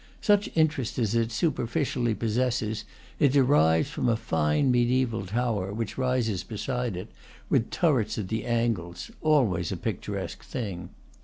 Such interest as it superficially possesses it derives from a fine mediaeval tower which rises beside it, with turrets at the angles, always a picturesque thing.